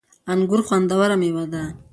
انګور خوندوره مېوه ده